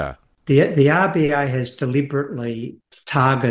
rba telah menghargai harga keluarga